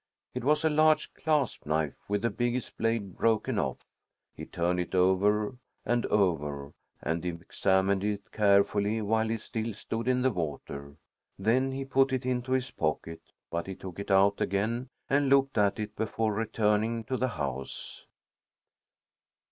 It was a large clasp knife with the biggest blade broken off. He turned it over and over and examined it carefully while he still stood in the water. Then he put it into his pocket, but he took it out again and looked at it before returning to the house.